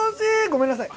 ごめんなさい。